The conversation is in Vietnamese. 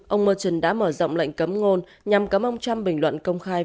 ông merton đã mở rộng lệnh cấm ngôn nhằm cấm ông trump bình luận công khai